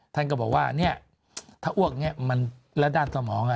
ท่านก็บอกว่าถ้าอ้วกนี้มันรัดด้านสมอง